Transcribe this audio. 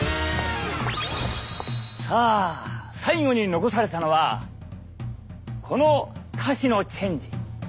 さあ最後に残されたのはこの歌詞のチェンジ！